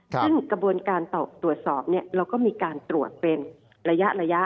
ซึ่งกระบวนการตรวจสอบเราก็มีการตรวจเป็นระยะ